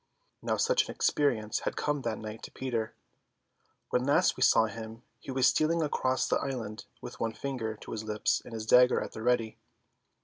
Now such an experience had come that night to Peter. When last we saw him he was stealing across the island with one finger to his lips and his dagger at the ready.